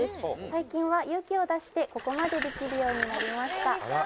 最近は勇気を出してここまでできるようになりました